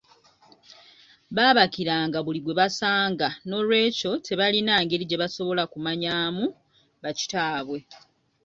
Baabakiranga buli gwe basanga n'olwekyo tebalina ngeri gye basobola kumanyaamu ba kitaabwe.